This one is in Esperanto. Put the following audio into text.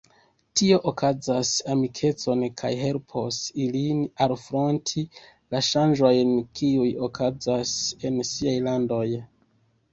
Tio kaŭzas amikecon kaj helpos ilin alfronti la ŝanĝojn, kiuj okazas en siaj landoj.